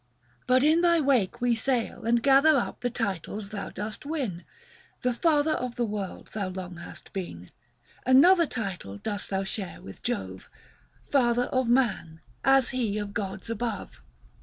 But in thy wake we sail 125 And gather up the titles thou dost win ; The father of the world thou long hast been ; Another title dost thou share with Jove, Father of man, as he of gods above.